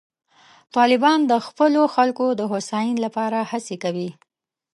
طالبان د خپلو خلکو د هوساینې لپاره هڅې کوي.